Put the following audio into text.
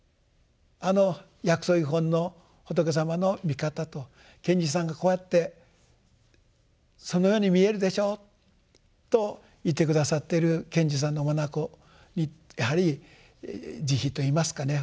あの「薬草喩品」の仏様の見方と賢治さんがこうやってそのように見えるでしょうと言って下さっている賢治さんの眼にやはり慈悲といいますかね